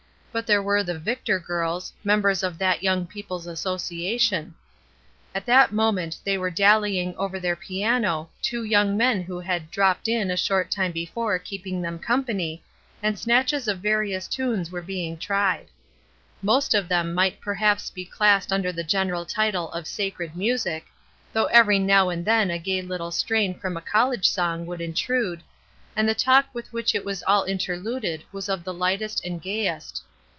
But there were the Victor girls, members of that Young People's Association. 104 ESTER RIED'S NAMESAKE At that moment they were dallying over their piano, two young men who had '* dropped in" a short time before keeping them company, and snatches of various tunes were being tried. Most of them might perhaps be classed under the general title of sacred music, — though every now and then a gay little strain from a college song would intrude, — and the talk with which it was all interluded was of the Ughtest and gayest.